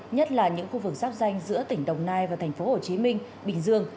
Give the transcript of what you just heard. nhất là những khu vực giáp danh giữa tỉnh đồng nai và thành phố hồ chí minh bình dương